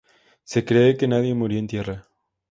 Se cree que nadie murió en tierra.